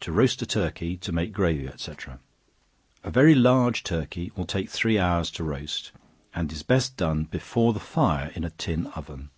To Roast a Turkey to make Gravy, &c. A very large turkey will take three hours to roast, and is best done before the fire in a tin oven.